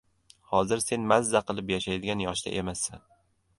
Hozir sen mazza qilib yashaydigan yoshda emassan.